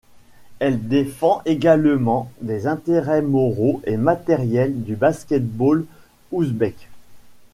Elle défend également les intérêts moraux et matériels du basket-ball ouzbek.